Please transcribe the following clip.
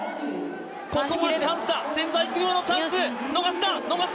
ここはチャンスだ千載一遇のチャンス、逃すな！